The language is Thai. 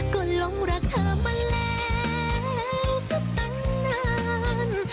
ก็ลงรักเธอมาแล้วสักตั้งนาน